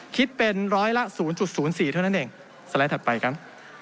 คิดเป็นร้อยละ๐๐๔เท่านั้นเองสไลด์ถัดไปครับ